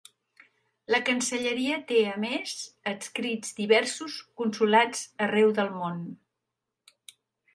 La cancelleria té a més adscrits diversos consolats arreu del món.